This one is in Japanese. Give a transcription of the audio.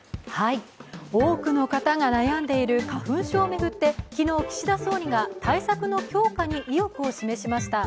多くの方が悩んでいる花粉症を巡って、昨日、岸田総理が対策の強化に意欲を示しました。